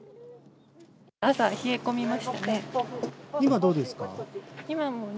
朝、冷え込みましたね。